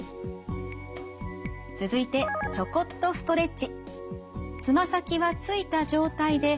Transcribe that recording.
続いてちょこっとストレッチ。